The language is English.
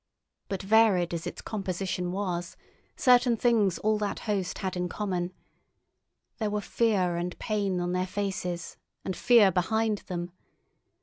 But varied as its composition was, certain things all that host had in common. There were fear and pain on their faces, and fear behind them.